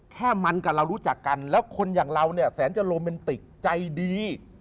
แค่มันกับเรารู้จักกันแล้วคนอย่างเราเนี่ยแสนจะโรแมนติกใจดี